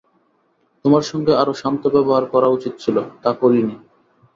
তোমার সঙ্গে আরো শান্ত ব্যবহার করা উচিত ছিল, তা করিনি।